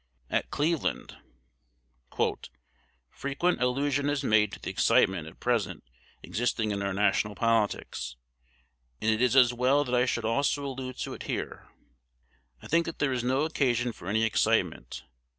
At Cleveland: "Frequent allusion is made to the excitement at present existing in our national politics, and it is as well that I should also allude to it here. _I think that there is no occasion for any excitement.